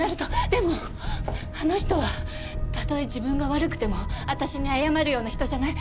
でもあの人はたとえ自分が悪くても私に謝るような人じゃない。